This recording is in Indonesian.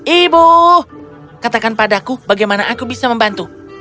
ibu katakan padaku bagaimana aku bisa membantu